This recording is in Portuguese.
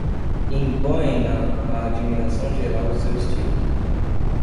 Impõem-na à admiração geral o seu Estilo.